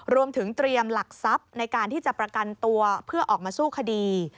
รวมถึงเตรียมหลักทรัพย์ในการที่จะประกันตัวเพื่อออกมาสู้คดี